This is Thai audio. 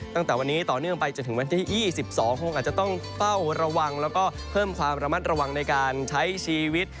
ตั้งแต่วันนี้ต่อเนื่องไปจนถึงวันที่๒๒คงอาจจะต้องเฝ้าระวังแล้วก็เพิ่มความระมัดระวังในการใช้ชีวิต